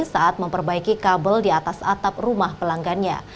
saat memperbaiki kabel di atas atap rumah pelanggannya